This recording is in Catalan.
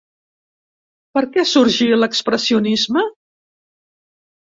Per què sorgí l'expressionisme?